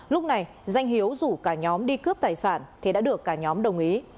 lúc này danh hiếu rủ cả nhóm đi cướp tài sản thì đã được cả nhóm đồng ý